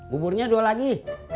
buburnya dua lagi